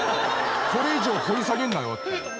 これ以上掘り下げるなよっていう。